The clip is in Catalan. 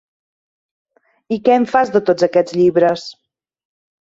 I què en fas de tots aquests llibres?